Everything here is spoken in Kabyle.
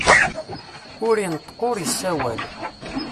Ur ineṭṭeq ur isawal.